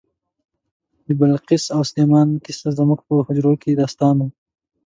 د بلقیس او سلیمان کیسه زموږ په حجرو کې داستان و.